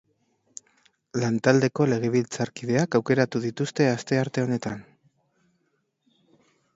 Lantaldeko legebiltzarkideak aukeratu dituzte astearte honetan.